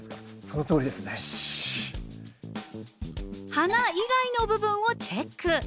花以外の部分をチェック。